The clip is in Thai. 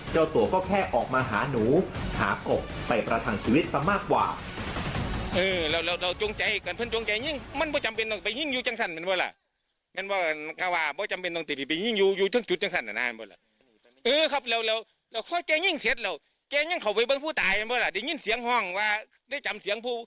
เจ้าตัวก็แค่ออกมาหาหนูหากบไปประทังชีวิตซะมากกว่า